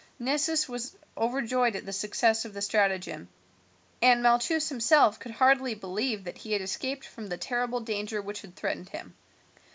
Nessus was overjoyed at the success of the stratagem, and Malchus himself could hardly believe that he had escaped from the terrible danger which threatened him.